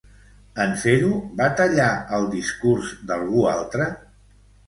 En fer-ho, va tallar el discurs d'algú altre?